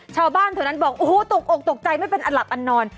ชาวบ้านเท่านั้นบอกโอ้โหตกอกตกใจไม่เป็นอันหลับอันนอน